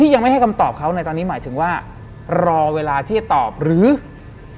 หลังจากนั้นเราไม่ได้คุยกันนะคะเดินเข้าบ้านอืม